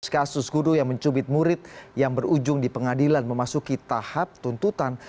kasus guru yang mencubit murid yang berujung di pengadilan memasuki tahap tuntutan